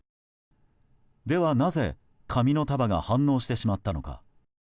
では、なぜ紙の束が反応してしまったのか。